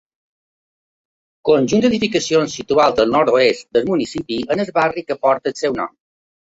Conjunt d'edificacions situat al nord-oest del municipi, en el barri que porta el seu nom.